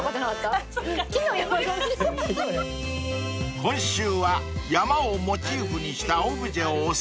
［今週は山をモチーフにしたオブジェをお裾分け］